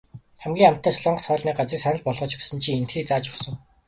Хамгийн амттай солонгос хоолны газрыг санал болгооч гэсэн чинь эндхийг зааж өгсөн.